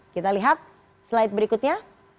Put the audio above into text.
kita lihat slide berikutnya